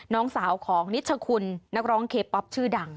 น้องสาวของนิชคุณนักร้องเคป๊อปชื่อดัง